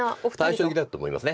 対照的だと思います。